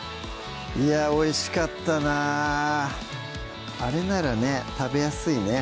いやおいしかったなぁあれならね食べやすいね